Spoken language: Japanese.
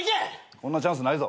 こんなチャンスないぞ。